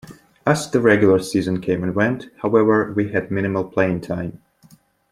As the regular season came and went, however, he had minimal playing time.